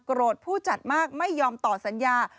ผู้จัดมากไม่ยอมต่อสัญญา